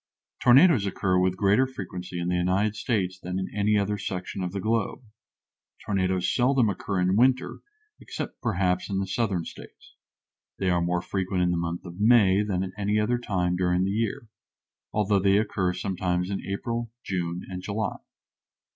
Tornadoes occur with greater frequency in the United States than in any other section of the globe. Tornadoes seldom occur in winter, except perhaps in the Southern States. They are more frequent in the month of May than at any other time during the year, although they occur sometimes in April, June, and July.